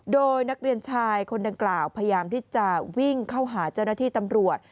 โดยนักเรียนชายคนดังกล่าวพยายามที่จะวิ่งเข้าหาเจ้าหน้าที่ตำรวจ